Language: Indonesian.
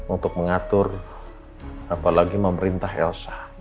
untuk mengatur apalagi memerintah elsa